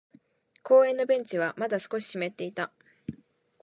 公園のベンチはまだ少し湿っていた。